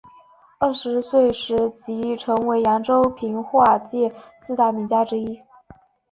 二十岁时即成为扬州评话界四大名家之一。